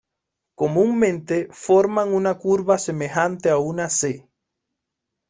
Comúnmente forman una curva semejante a una "C".